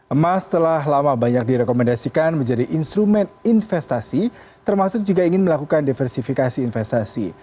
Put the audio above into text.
emas telah lama banyak direkomendasikan menjadi instrumen investasi termasuk juga ingin melakukan diversifikasi investasi